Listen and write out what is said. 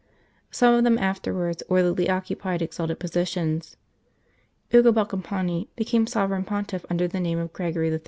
Some of them afterwards worthily occupied exalted positions. Ugo Boncompagni became Sovereign Pontiff under the name of Gregory XIII.